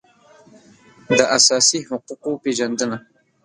د اساسي حقوقو پېژندنه